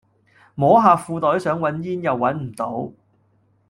摸下褲袋想搵煙又搵唔到